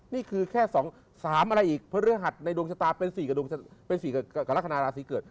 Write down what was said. นี่คือแค่สองสามอะไรอีกพระฤหัสในดวงชะตาเป็นสี่กับราศนาราศีเกิด